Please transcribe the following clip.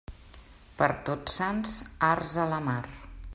Per Tots Sants, arts a la mar.